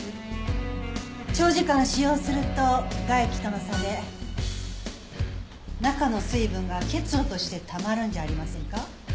長時間使用すると外気との差で中の水分が結露としてたまるんじゃありませんか？